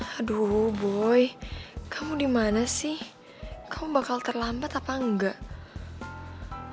aduh boy kamu dimana sih kamu bakal terlambat apa enggak